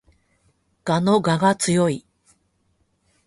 蛾の我が強い